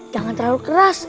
jangan terlalu keras